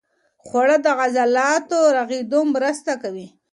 خواړه د عضلاتو رغېدو مرسته کوي.